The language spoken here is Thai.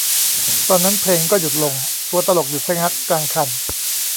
ตอนนั้นเพลงก็หยุดลง ตัวตลกหยุดชะงักกลางคัน